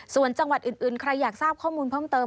ส่วนจังหวัดอื่นใครอยากทราบข้อมูลเพิ่มเติม